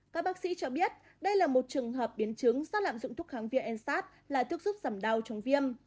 các bác sĩ cho biết đây là một trường hợp biến chứng xác lạm dụng thuốc kháng viên nsaid là thước giúp giảm đau trong viêm